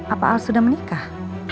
apa al sudah menikah